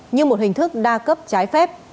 như một hình thức đa cấp trái phép